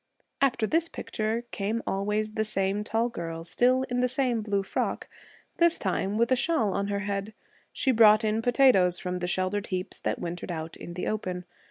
After this picture, came always the same tall girl still in the same blue frock, this time with a shawl on her head. She brought in potatoes from the sheltered heaps that wintered out in the open.